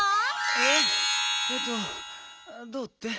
えっえっとどうって？